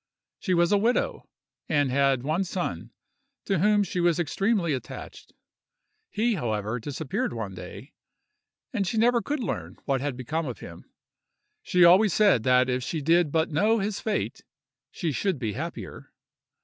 She was a widow, and had one son, to whom she was extremely attached. He however disappeared one day, and she never could learn what had become of him; she always said that if she did but know his fate she should be happier.